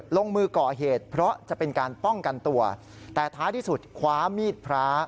ลงมือก่อเหตุเพราะจะเป็นการป้องกันตัวแต่ท้ายที่สุดคว้ามีดพระ